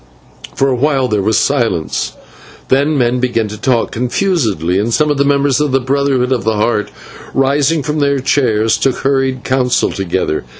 For a while there was silence, then men began to talk confusedly, and some of the members of the Brotherhood of the Heart, rising from their chairs, took hurried counsel together.